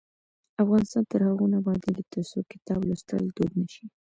افغانستان تر هغو نه ابادیږي، ترڅو کتاب لوستل دود نشي.